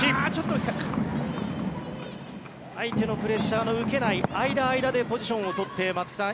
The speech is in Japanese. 相手のプレッシャーの受けない間、間でポジションを取って松木さん